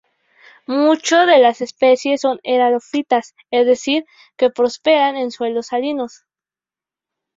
Muchas de las especies son halófitas, es decir, que prosperan en suelos salinos.